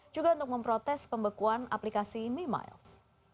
juga untuk memprotes pembekuan aplikasi may miles